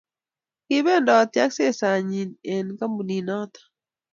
Kibendoti ak sesat nyin eng kampunit noto